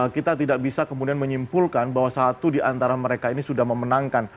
kita tidak bisa kemudian menyimpulkan bahwa satu di antara mereka ini sudah memenangkan